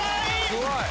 すごい。